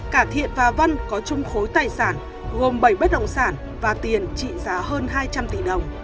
cả thiện và vân có chung khối tài sản gồm bảy bất động sản và tiền trị giá hơn hai trăm linh tỷ đồng